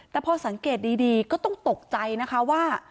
แต่พอสังเกตดีก็ต้องตกใจนะคะว่า